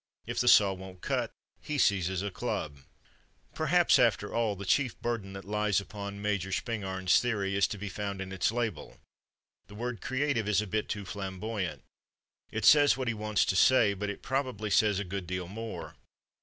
If the saw won't cut, he seizes a club.... Perhaps, after all, the chief burden that lies upon Major Spingarn's theory is to be found in its label. The word "creative" is a bit too flamboyant; it says what he wants to say, but it probably says a good deal more.